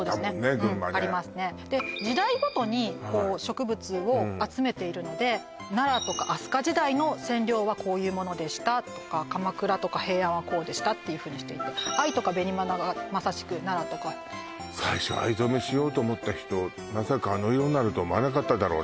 群馬ねそうですねありますねで時代ごとに植物を集めているので奈良とか飛鳥時代の染料はこういうものでしたとか鎌倉とか平安はこうでしたっていうふうにしていてアイとかベニバナがまさしく奈良とか最初藍染しようと思った人まさかあの色になるとは思わなかっただろうね